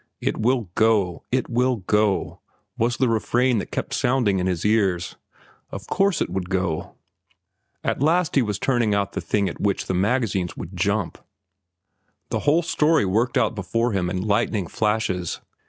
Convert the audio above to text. "It will go! It will go!" was the refrain that kept sounding in his ears. Of course it would go. At last he was turning out the thing at which the magazines would jump. The whole story worked out before him in lightning flashes.